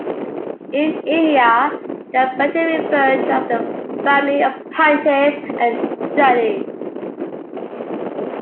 In India they are better referred to as the family of Punches and Judies.